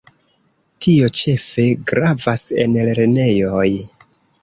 Tio ĉefe gravas en lernejoj.